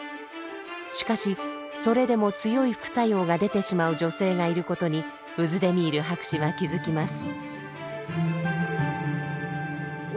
しかしそれでも強い副作用がでてしまう女性がいることにウズデミール博士は気付きます。